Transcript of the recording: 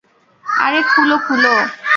আরে, খুলো খুলো।